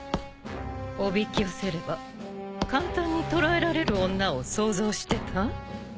おびき寄せれば簡単に捕らえられる女を想像してた？